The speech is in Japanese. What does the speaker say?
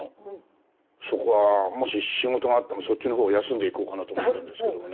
そこはもし仕事があってもそっちのほうを休んで行こうかなと思ってるんですけどもね。